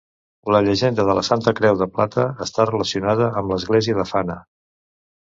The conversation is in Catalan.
La llegenda de "La Santa Creu de Plata" està relacionada amb l'església de Fana.